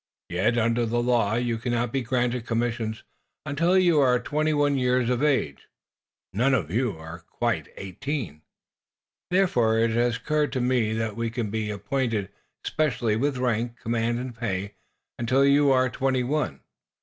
Yet, under the law, you cannot be granted commissions until you are twenty one years of age. None of you are quite eighteen. "Therefore, it has occurred to me that you can be appointed, specially, with rank, command and pay, until you are twenty one.